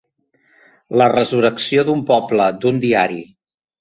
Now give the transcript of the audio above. La resurrecció d'un poble, d'un diari.